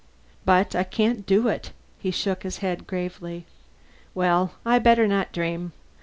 But I can't do it." He shook his head gravely. "Well, I better not dream.